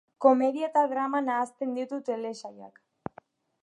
Komedia eta drama nahasten ditu telesailak.